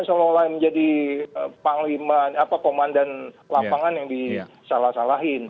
seolah olah menjadi komandan lapangan yang disalah salahin